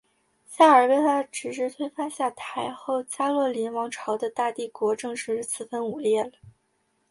夏尔被他的侄子推翻下台后加洛林王朝的大帝国正式四分五裂了。